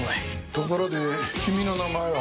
ところで君の名前は？